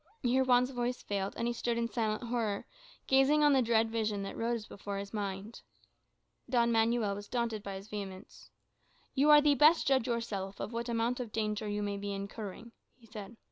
Here Juan's voice failed, and he stood in silent horror, gazing on the dread vision that rose before his mind. Don Manuel was daunted by his vehemence. "You are the best judge yourself of what amount of danger you may be incurring," he said.